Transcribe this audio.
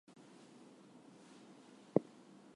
The ship crash lands on a world known as the Green Planet.